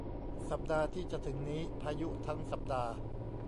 สัปดาห์ที่จะถึงนี้พายุทั้งสัปดาห์